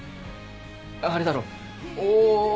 あれだろおお。